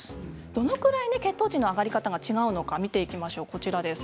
どのくらい血糖値の上がり方が違うのか見ていきます。